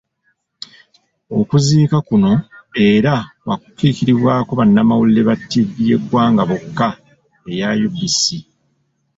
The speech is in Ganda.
Okuziika kuno era kwakukikiribwako bannamawulire ba ttivi y'eggwanga bokka eya UBC.